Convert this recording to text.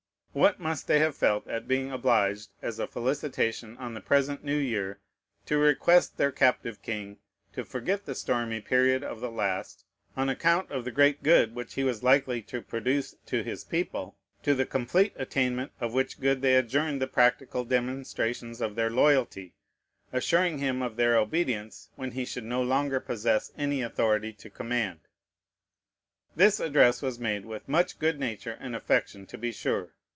What must they have felt at being obliged, as a felicitation on the present new year, to request their captive king to forget the stormy period of the last, on account of the great good which he was likely to produce to his people, to the complete attainment of which good they adjourned the practical demonstrations of their loyalty, assuring him of their obedience when he should no longer possess any authority to command! This address was made with much good nature and affection, to be sure.